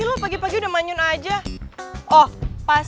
lagi melewati alas